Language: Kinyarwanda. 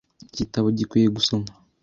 Icyo gitabo gikwiye gusoma .